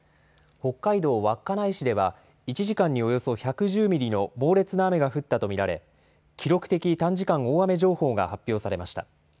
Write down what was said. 北海道稚内市では、１時間におよそ１１０ミリの猛烈な雨が降ったと見られ、記録的短時間大雨情報が発表されました。